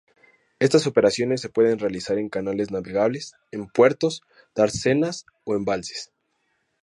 Estas operaciones se pueden realizar en canales navegables, en puertos, dársenas o embalses.